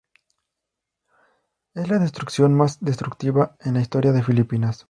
Es la inundación más destructiva en la historia de Filipinas.